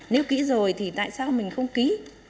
nếu kỹ rồi thì tại sao mình không kỹ